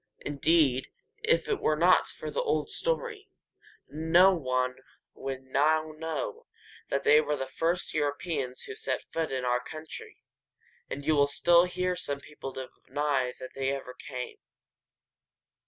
Indeed, were it not for the old story, no one would now know that they were the first Europeans who set foot in our country, and you will still hear some people deny that they ever came here.